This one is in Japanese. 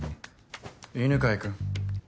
犬飼君。